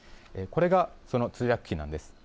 これが、その通訳機なんです。